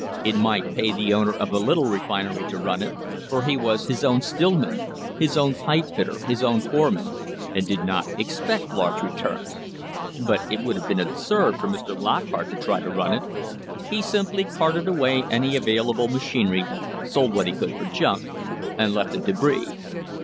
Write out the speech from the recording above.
It might pay the owner of the little refinery to run it, for he was his own stillman, his own pipe fitter, his own foreman, and did not expect large returns ; but it would have been absurd for Mr. Lockhart to try to run it. He simply carted away any available machinery, sold what he could for junk, and left the debris.